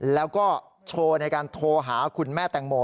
แล้วก็โชว์ในการโทรหาคุณแม่แตงโม